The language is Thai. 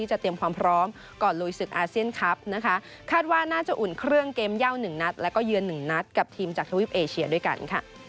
จะไม่ได้เสียใจในภายหลังก็ขอโทษด้วยครับ